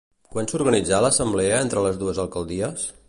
Quan s'organitzà l'assemblea entre les dues alcaldies?